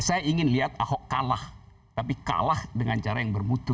saya ingin lihat ahok kalah tapi kalah dengan cara yang bermutu